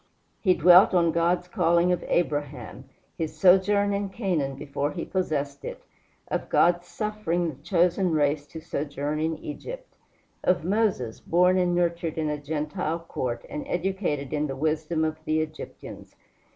He dwelt on God's calling of Abraham, his sojourn in Canaan before he possessed it; of God's suffering the chosen race to sojourn in Egypt; of Moses, born and nurtured in a Gentile court, and educated in the wisdom of the Egyptians.